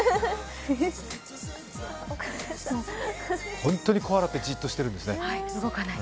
本当にコアラってじっとしてるんですね。